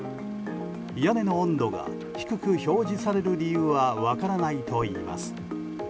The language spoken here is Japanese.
屋根の温度が低く表示される理由は分からないといいます。